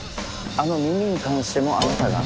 あの耳に関してもあなたが？